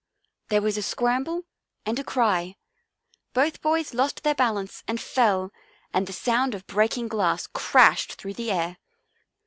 There was a scramble and a cry, both boys lost their balance and fell, and the sound of breaking glass crashed through the air.